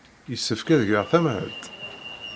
Yessefk ad geɣ tamhelt?